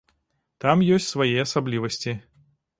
Там ёсць свае асаблівасці.